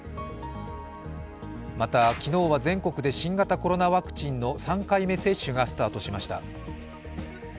また昨日は全国で新型コロナワクチンの３回目接種がスタートしました。